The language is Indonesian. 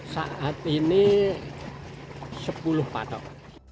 saat ini sepuluh patok